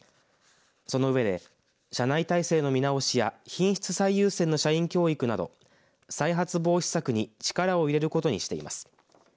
その上で、社内体制の見直しや品質最優先の社員教育など再発防止策に力を入れることにしています。